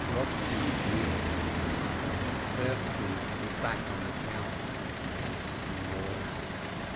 Eochtzi weeps. Bertzi is back on the couch and snores.